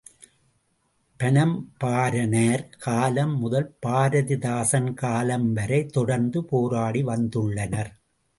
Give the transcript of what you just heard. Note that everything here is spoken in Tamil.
பனம்பாரனார் காலம் முதல் பாரதிதாசன் காலம் வரை தொடர்ந்து போராடி வந்துள்ளனர்.